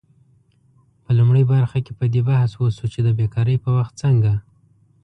په لومړۍ برخه کې په دې بحث وشو چې د بیکارۍ په وخت څنګه